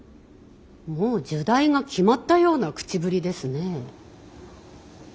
もう入内が決まったような口ぶりですね。